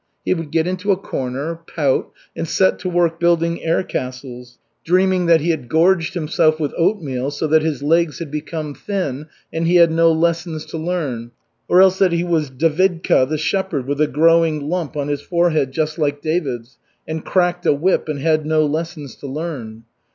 He would get into a corner, pout, and set to work building air castles, dreaming that he had gorged himself with oatmeal so that his legs had become thin and he had no lessons to learn, or else that he was Davidka, the shepherd, with a growing lump on his forehead, just like David's, and cracked a whip and had no lessons to learn.